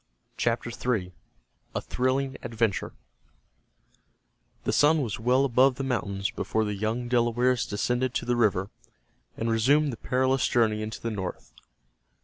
CHAPTER III—A THRILLING ADVENTURE The sun was well above the mountains before the young Delawares descended to the river, and resumed the perilous journey into the north.